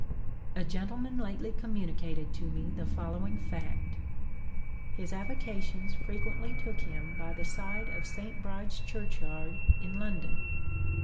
A gentleman lately communicated to me the following fact: His avocations frequently took him by the side of St. Bride's Churchyard, in London.